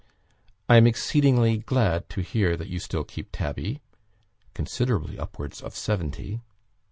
I am exceedingly glad to hear that you still keep Tabby" (considerably upwards of seventy).